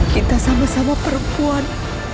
kita sama sama perempuan